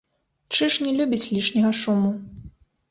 Чыж не любіць лішняга шуму.